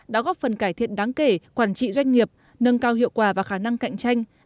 đã góp phần cải thiện đáng kể quản trị doanh nghiệp nâng cao hiệu quả và khả năng cạnh tranh